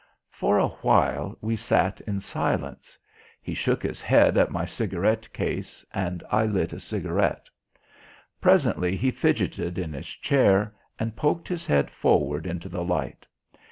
For a while we sat in silence. He shook his head at my cigarette case, and I lit a cigarette. Presently he fidgeted in his chair and poked his head forward into the light.